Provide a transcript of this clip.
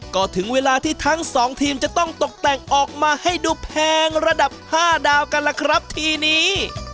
ก็ถึงเวลาที่ทั้งสองทีมจะต้องตกแต่งออกมาให้ดูแพงระดับ๕ดาวกันล่ะครับทีนี้